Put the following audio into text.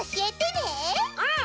うん！